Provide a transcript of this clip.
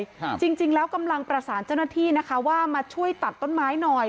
ครับจริงจริงแล้วกำลังประสานเจ้าหน้าที่นะคะว่ามาช่วยตัดต้นไม้หน่อย